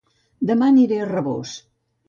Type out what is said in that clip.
Dema aniré a Rabós